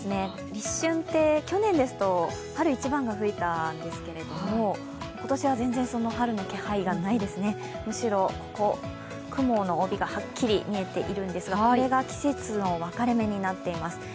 立春って、去年ですと春一番が吹いたんですけれども、今年は全然、春の気配がないですねむしろ雲の帯がはっきり見えているんですが、これが季節の分かれ目になっています。